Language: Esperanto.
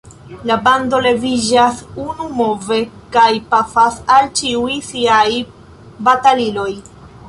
La bando leviĝas unumove kaj pafas el ĉiuj siaj bataliloj.